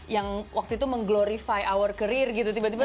yang waktu itu mengglorify our career gitu tiba tiba